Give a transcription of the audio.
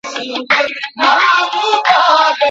د ماسټرۍ برنامه په بیړه نه بشپړیږي.